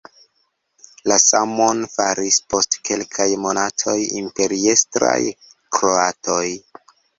La samon faris post kelkaj monatoj imperiestraj kroatoj.